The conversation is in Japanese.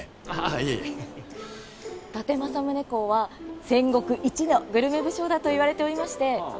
いえいえ伊達戦国一のグルメ武将だといわれておりましてはあ